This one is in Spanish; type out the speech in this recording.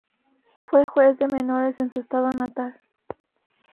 Fue juez de menores en su estado natal.